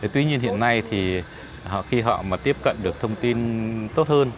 tuy nhiên hiện nay thì khi họ mà tiếp cận được thông tin tốt hơn